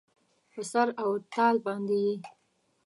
په سر او تال باندې یې